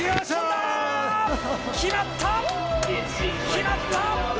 決まった！